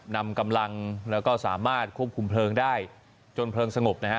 นำกำลังแล้วก็สามารถควบคุมเพลิงได้จนเพลิงสงบนะฮะ